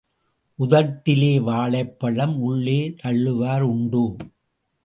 உதட்டிலே வாழைப்பழம் உள்ளே தள்ளுவார் உண்டோ?